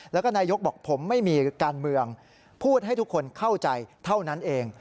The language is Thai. แล้วก็นายกบอกผมไม่มีการเมืองพูดให้ทุกคนเข้าใจเท่านั้นเอง